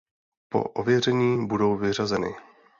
Po ověření budou vyřazeny.